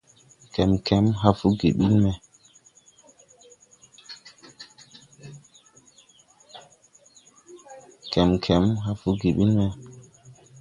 Kemkem hãã fuggi ɓil me.